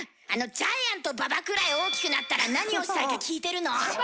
ジャイアント馬場くらい大きくなったら何をしたいか聞いてるの。